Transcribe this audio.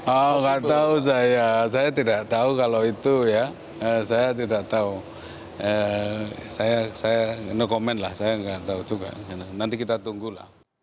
oh gak tau saya saya tidak tau kalau itu ya saya tidak tau saya nge comment lah saya gak tau juga nanti kita tunggu lah